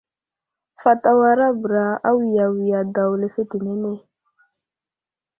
Fat awara bəra awiyawiga daw lefetenene.